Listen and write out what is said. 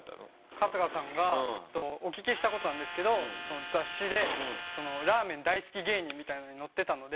春日さんがお聞きしたことなんですけど雑誌でラーメン大好き芸人みたいなのに載ってたので。